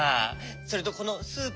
それとこのスープ？